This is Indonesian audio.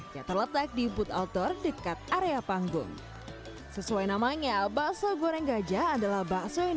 yang terletak di booth outdoor dekat area panggung sesuai namanya bakso goreng gajah adalah bakso yang